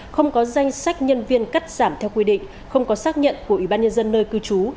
không có danh sách nhân viên cắt giảm theo quy định không có xác nhận của ủy ban nhân dân nơi cư trú